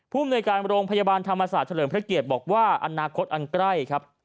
ภูมิในการโรงพยาบาลธรรมศาสตร์เฉลิมพระเกียรติบอกว่าอนาคตอันใกล้ครับ